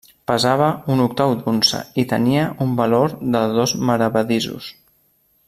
Pesava un octau d'unça i tenia un valor de dos maravedisos.